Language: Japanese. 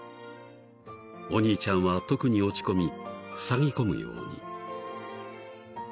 ［お兄ちゃんは特に落ち込みふさぎ込むように］